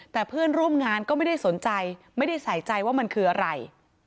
แต่เพื่อนร่วมงานก็ไม่ได้สนใจไม่ได้ใส่ใจว่ามันคืออะไร